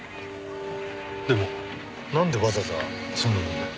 でもなんでわざわざそんなもので？